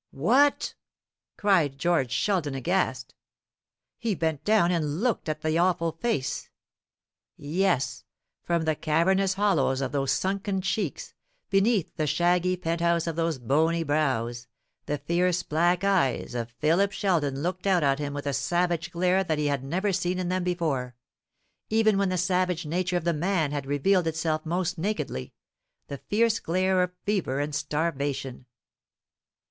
"WHAT!" cried George Sheldon, aghast. He bent down and looked at the awful face. Yes, from the cavernous hollows of those sunken cheeks, beneath the shaggy penthouse of those bony brows, the fierce black eyes of Philip Sheldon looked out at him with a savage glare that he had never seen in them before even when the savage nature of the man had revealed itself most nakedly the fierce glare of fever and starvation.